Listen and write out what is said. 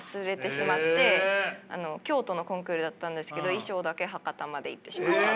京都のコンクールだったんですけど衣装だけ博多まで行ってしまって。